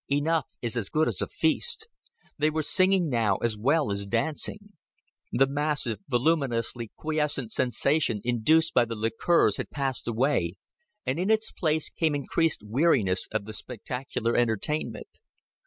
Enough is as good as a feast. They were singing now as well as dancing. The massive, voluminously quiescent sensation induced by the liqueurs had passed away, and in its place came increased weariness of the spectacular entertainment.